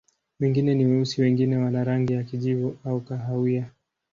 Wengine ni weusi, wengine wana rangi ya kijivu au kahawia.